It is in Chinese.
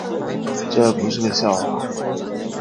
这是不是个笑话